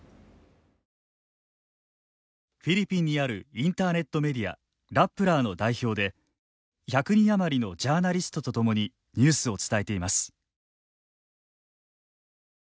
フィリピンにあるインターネットメディアラップラ−の代表で１００人余りのジャーナリストとともにニュースを伝えています。